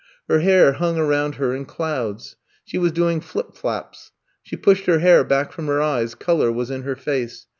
Her hair hung around her in clouds. She was doing flip flaps. She pushed her hair back from her eyes, color was in her face.